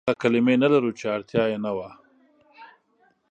هغه کلمې نه لرو، چې اړتيا يې نه وه.